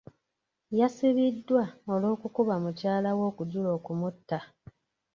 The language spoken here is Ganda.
Yasibiddwa olw'okukuba mukyala we okujula okumutta.